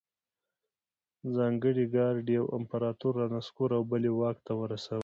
ځانګړي ګارډ یو امپرتور رانسکور او بل یې واک ته رساوه